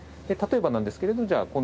例えばなんですけれどもじゃあ